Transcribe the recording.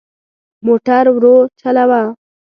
موټر ورو چلوه.